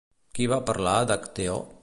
Qui va parlar d'Acteó?